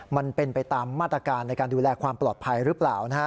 มันเป็นไปตามมาตรการในการดูแลความปลอดภัยหรือเปล่า